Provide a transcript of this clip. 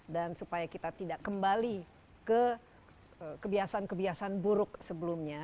dan supaya kita tidak kembali ke kebiasaan kebiasaan buruk sebelumnya